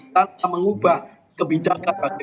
tanpa mengubah kebijakan bagi